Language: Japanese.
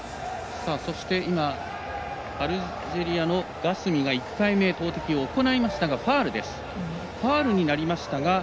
今アルジェリアのガスミが投てきを行いましたがファウルになりました。